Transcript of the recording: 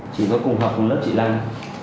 chị có cùng học cùng lớp chị lành